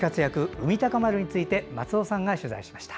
「海鷹丸」について松尾さんが取材しました。